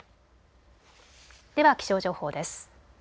では気象情報です。